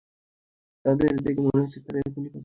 তাদের দেখে মনে হচ্ছে তারা এখানে পাত্রী খুঁজতে এসেছে।